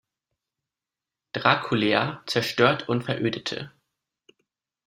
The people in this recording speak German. Drăculea zerstört und verödete.